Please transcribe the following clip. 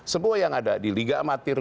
semua yang ada di liga amatir